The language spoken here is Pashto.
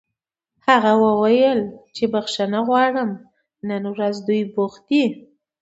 هغه وویل چې بښنه غواړي نن ورځ دوی بوخت دي